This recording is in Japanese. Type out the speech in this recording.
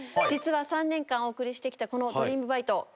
実は３年間お送りしてきたこの『ドリームバイト！』